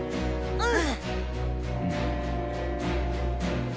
うん。